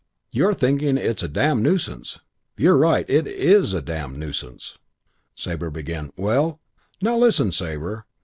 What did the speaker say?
You're thinking it's a damned nuisance. You're right. It is a damned nuisance " Sabre began, "Well " "Now, listen, Sabre.